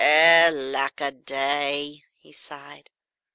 "Eh, lack a day!" he sighed.